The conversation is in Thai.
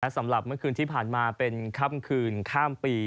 สำหรับเมื่อคืนที่ผ่านมาเป็นค่ำคืนข้ามปี